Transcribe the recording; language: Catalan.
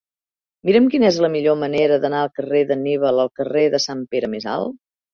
Mira'm quina és la millor manera d'anar del carrer d'Anníbal al carrer de Sant Pere Més Alt.